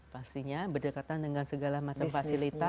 pastinya berdekatan dengan segala macam fasilitas